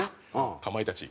かまいたち？